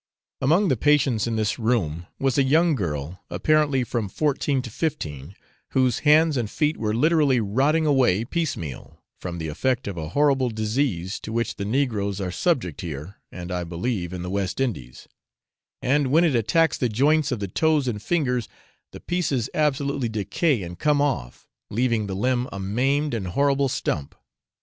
Among the patients in this room was a young girl, apparently from fourteen to fifteen, whose hands and feet were literally rotting away piecemeal, from the effect of a horrible disease, to which the negroes are subject here, and I believe in the West Indies, and when it attacks the joints of the toes and fingers, the pieces absolutely decay and come off, leaving the limb a maimed and horrible stump!